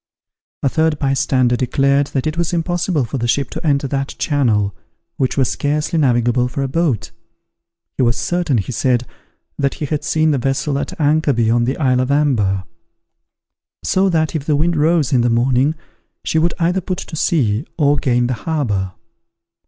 A third bystander declared that it was impossible for the ship to enter that channel, which was scarcely navigable for a boat. He was certain, he said, that he had seen the vessel at anchor beyond the isle of Amber; so that, if the wind rose in the morning, she would either put to sea, or gain the harbour.